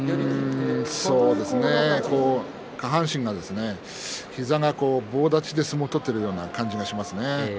そうですね、下半身が膝が棒立ちで相撲を取っているような感じがしますね。